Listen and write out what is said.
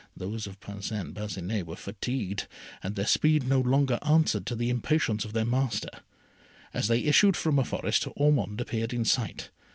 Those of Parcin Parcinet were fatigued, and their speed no longer answered to the impatience of their master. As they issued from a forest, Ormond appeared in sight.